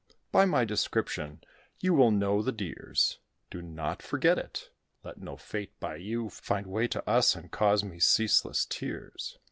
By my description you will know the dears; Do not forget it: let no fate by you Find way to us, and cause me ceaseless tears."